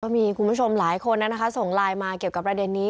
มีคุณผู้ชมหลายคนนะคะส่งไลน์มาเกี่ยวกับประเด็นนี้